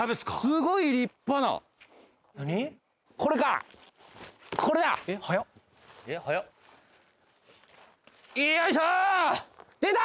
すごい立派なこれかこれだえっ早っえっ早っよいしょー出た！